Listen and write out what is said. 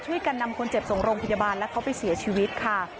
นำคนเจ็บส่งโรงพยาบาลแล้วเขาไปเสียชีวิตค่ะ